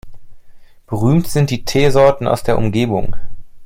Berühmt sind die Teesorten aus der Umgebung.